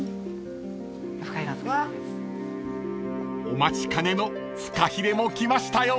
［お待ちかねのフカヒレも来ましたよ］